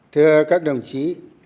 thưa các đồng chí